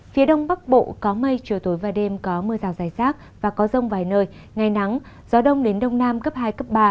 phía đông bắc bộ có mây chiều tối và đêm có mưa rào dài rác và có rông vài nơi ngày nắng gió đông đến đông nam cấp hai cấp ba